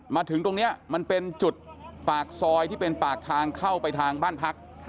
มาถึงตรงนี้มันเป็นจุดปากซอยที่เป็นปากทางเข้าไปทางบ้านพัก